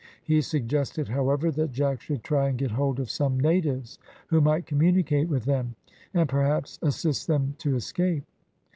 He suggested, however, that Jack should try and get hold of some natives, who might communicate with them, and perhaps assist them to escape.